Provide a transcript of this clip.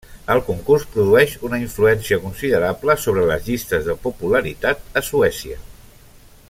El concurs produeix una influència considerable sobre les llistes de popularitat a Suècia.